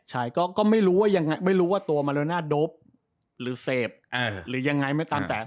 ใช่ไม่รู้ว่าตัวมาโลน่าก็โดบหรือเซฟหรือยังไงไม่ตามแต่